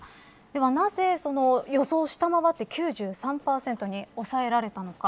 では、なぜ予想を下回って９３％に抑えられたのか。